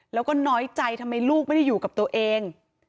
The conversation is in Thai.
แล้วก็น้อยใจทำไมลูกไม่ได้อยู่กับตัวเอง